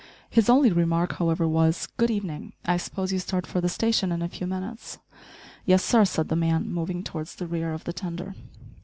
His only remark, however, was "Good evening; I suppose you start for the station in a few minutes?" "Yes, sir," said the man, moving towards the rear of the tender.